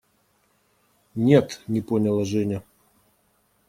– Нет, – не поняла Женя.